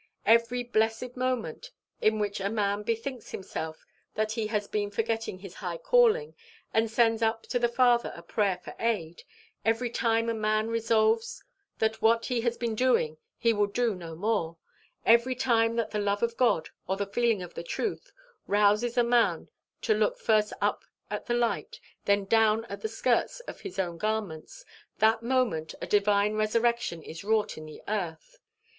Every blessed moment in which a man bethinks himself that he has been forgetting his high calling, and sends up to the Father a prayer for aid; every time a man resolves that what he has been doing he will do no more; every time that the love of God, or the feeling of the truth, rouses a man to look first up at the light, then down at the skirts of his own garments that moment a divine resurrection is wrought in the earth.